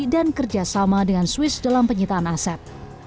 dan kerjasama dengan swiss dalam penyitaan aset